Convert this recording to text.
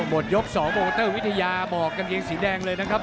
หมดยก๒โมเตอร์วิทยาบอกกางเกงสีแดงเลยนะครับ